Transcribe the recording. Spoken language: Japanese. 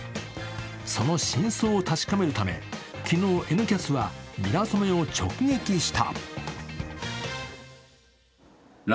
その真相を確かめるため、昨日「Ｎキャス」はミラソメを直撃した。